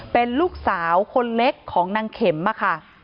เป็นลูกสาวคนเล็กของนางเข็มค่ะ